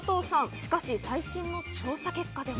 しかし最近の調査結果では。